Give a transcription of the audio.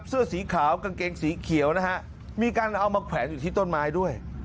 เสื้อสีขาวกางเกงสีเขียวนะฮะมีการเอามาแขวนอยู่ที่ต้นไม้ด้วย